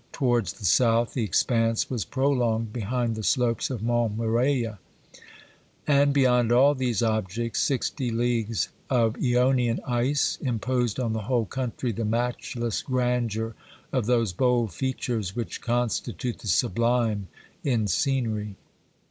Towards the south the expanse was prolonged behind the slopes of Montmirail ; and beyond all these objects sixty leagues of aeonian ice imposed on the whole country the matchless grandeur of those bold features which constitute the sublime in scenery.